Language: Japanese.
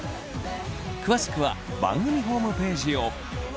詳しくは番組ホームページを。